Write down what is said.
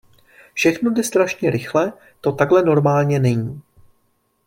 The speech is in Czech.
Všechno jde strašně rychle, to takhle normálně není.